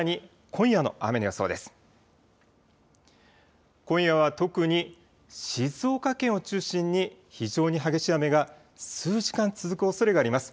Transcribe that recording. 今夜は特に静岡県を中心に非常に激しい雨が数時間続くおそれがあります。